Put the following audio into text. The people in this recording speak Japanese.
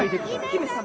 姫様！